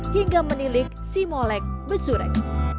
hingga menilik simolek besurek